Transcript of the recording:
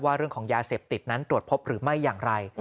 เรื่องของยาเสพติดนั้นตรวจพบหรือไม่อย่างไร